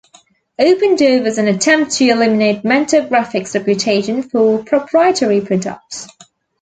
Open Door was an attempt to eliminate Mentor Graphics' reputation for proprietary products.